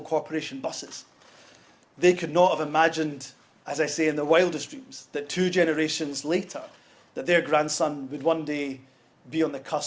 kita harus berhutang pada kebenaran bahwa hari ini kita telah mengirimkan pesan jelas